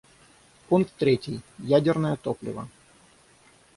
Пункт третий: ядерное топливо.